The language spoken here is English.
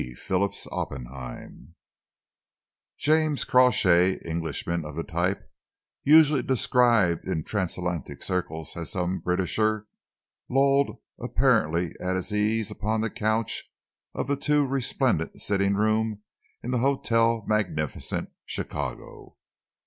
PHILLIPS OPPENHEIM 1919 CHAPTER I James Crawshay, Englishman of the type usually described in transatlantic circles as "some Britisher," lolled apparently at his ease upon the couch of the too resplendent sitting room in the Hotel Magnificent, Chicago.